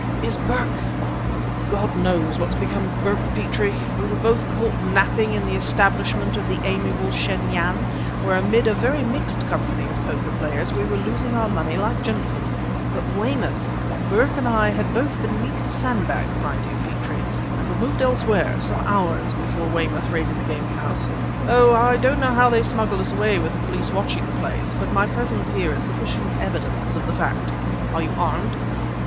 "Is Burke " "God knows what has become of Burke, Petrie! We were both caught napping in the establishment of the amiable Shen Yan, where, amid a very mixed company of poker players, we were losing our money like gentlemen." "But Weymouth " "Burke and I had both been neatly sand bagged, my dear Petrie, and removed elsewhere, some hours before Weymouth raided the gaming house. Oh! I don't know how they smuggled us away with the police watching the place; but my presence here is sufficient evidence of the fact. Are you armed?"